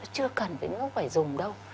chưa cần phải dùng đâu